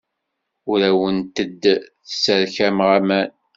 Ur awent-d-sserkameɣ aman.